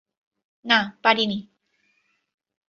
না পারি নি।